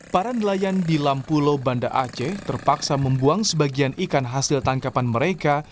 para nelayan di lampulo banda aceh terpaksa membuang sebagian ikan hasil tangkapan mereka